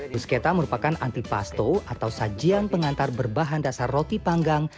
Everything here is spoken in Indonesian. bruschetta merupakan antipasto atau sajian pengantar berbahan dasar roti panggang